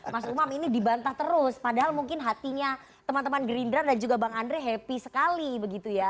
mas umam ini dibantah terus padahal mungkin hatinya teman teman gerindra dan juga bang andre happy sekali begitu ya